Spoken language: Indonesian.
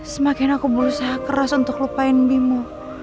semakin aku berusaha keras untuk lupain bimo